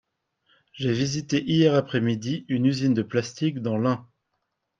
J’ai visité hier après-midi une usine de plastique dans l’Ain.